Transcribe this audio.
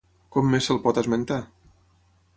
Com més se'l pot esmentar?